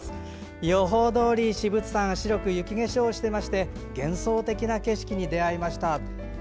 予報どおり至仏山は白く雪化粧していまして幻想的な景色に出会いました。